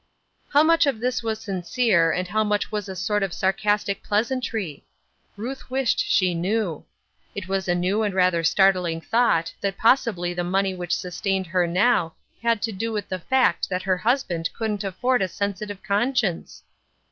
How much of this was sincere, and how much was a sort of sarcastic pleasantry ? Ruth wished she knew. It was a new and rather startling thought that possibly the money which sustained her now had to do with the fact that her hus band couldn't afford a sensitive conscience